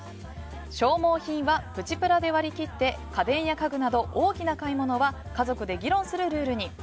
消耗品はプチプラで割り切って家電や家具など大きな買い物は家族で議論するルールに。